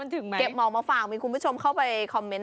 เก็บเหมามาฝากมีคุณผู้ชมเข้าไปคอมเมนต